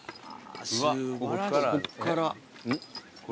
こっから。